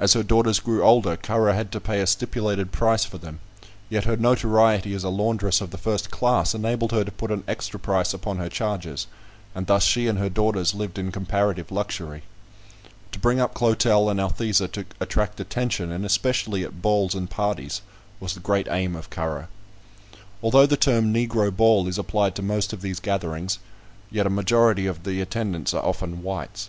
As her daughters grew older, Currer had to pay a stipulated price for them; yet her notoriety as a laundress of the first class enabled her to put an extra price upon her charges, and thus she and her daughters lived in comparative luxury. To bring up Clotel and Althesa to attract attention, and especially at balls and parties, was the great aim of Currer. Although the term "Negro ball" is applied to most of these gatherings, yet a majority of the attendants are often whites.